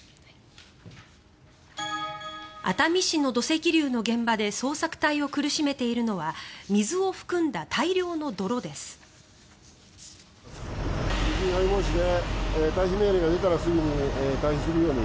熱海市の土石流の現場で捜索隊を苦しめているのは水を含んだ大量の泥です。